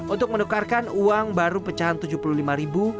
untuk menukarkan uang baru pecahan rp tujuh puluh lima